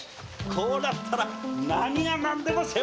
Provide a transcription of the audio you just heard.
こうなったら何が何でも世話したい！